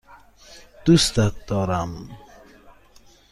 دوستت دارم.